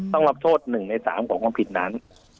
ต้องรับโทษ๑ใน๓ของความผิดนั้น